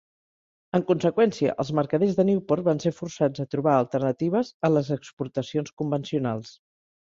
En conseqüència, els mercaders de Newport van ser forçats a trobar alternatives a les exportacions convencionals.